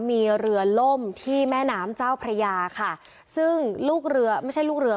มีเรือล่มที่แม่น้ำเจ้าพระยาค่ะซึ่งลูกเรือไม่ใช่ลูกเรือ